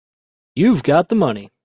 You've got the money.